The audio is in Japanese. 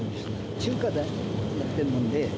中華やっているもんで。